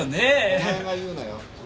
お前が言うなよ